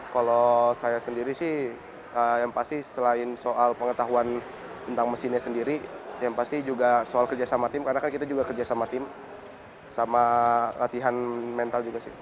kalau saya sendiri sih yang pasti selain soal pengetahuan tentang mesinnya sendiri yang pasti juga soal kerjasama tim karena kan kita juga kerja sama tim sama latihan mental juga sih